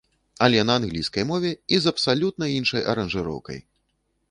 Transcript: Але на англійскай мове і з абсалютна іншай аранжыроўкай!